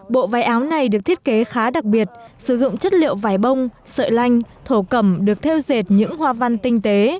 bộ váy áo này được thiết kế khá đặc biệt sử dụng chất liệu vải bông sợi lanh thổ cầm được theo dệt những hoa văn tinh tế